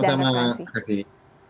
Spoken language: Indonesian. yow sama sama terima kasih